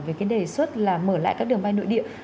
về cái đề xuất là mở lại các đường bay nội địa